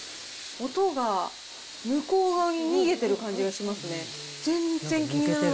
音が向こう側に逃げてる感じがしますね。